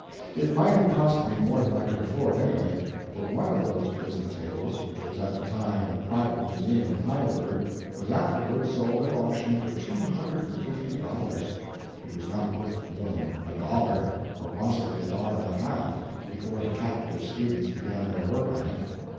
It might have cost me more than I could afford, anyway; for one of those prison tables, which was at the time in a private museum in Heidelberg, was afterward sold at auction for two hundred and fifty dollars. It was not worth more than a dollar, or possibly a dollar and half, before the captive students began their work on it.